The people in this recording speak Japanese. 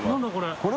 これ。